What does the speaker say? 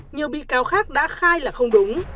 nhiều bị cáo khác đã khai là không đúng